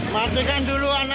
matikan dulu anak